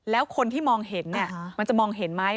แล้วคนที่มองเห็นเนี่ยมันจะมองเห็นไหม